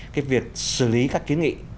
cái việc xử lý các kiến nghị